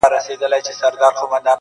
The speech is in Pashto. ګورئ تر خلوته چي خُمونه غلي غلي وړي!”!